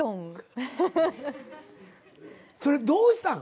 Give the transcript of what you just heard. それどうしたん？